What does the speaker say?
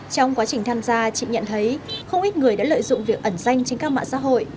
trong quá trình tham gia chị nhận thấy không ít người đã lợi dụng việc ẩn danh trên các mạng xã hội